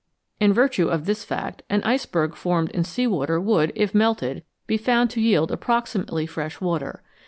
In virtue of this fact, an iceberg formed in sea water would, if melted, be found to yield approximately fresh water.